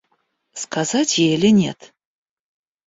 Сказать ей или нет?